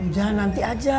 udah nanti aja